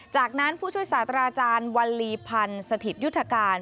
จากนั้นผู้ช่วยศาสตราอาจารย์วัลลีพันธ์สถิตยุทธการ